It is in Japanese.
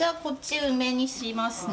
梅にしますね。